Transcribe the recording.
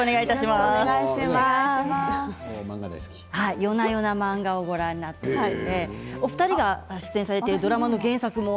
夜な夜な漫画をご覧になっていてお二人がご出演されている漫画の原作も。